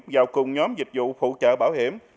vào cùng nhóm dịch vụ phụ trợ bảo hiểm